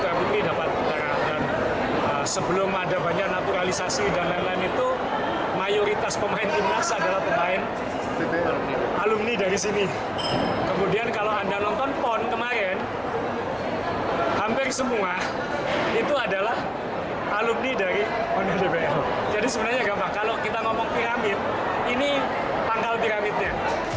jadi sebenarnya gampang kalau kita ngomong piramid ini tanggal piramidnya